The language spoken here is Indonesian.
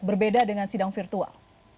berbeda dengan sidang virtual